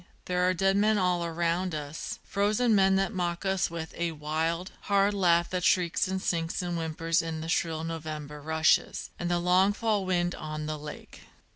there are dead men all around us Frozen men that mock us with a wild, hard laugh That shrieks and sinks and whimpers in the shrill November rushes, And the long fall wind on the lake.